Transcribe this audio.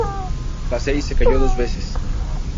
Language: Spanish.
Lacey se casó dos veces.